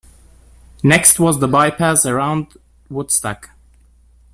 Next was the bypass around Woodstock.